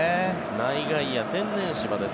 内外野、天然芝です